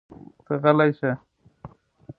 ته غلی شه!